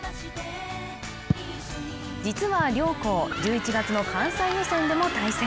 実は両校、１１月の関西予選でも対戦。